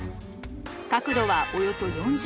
角度はおよそ４０度。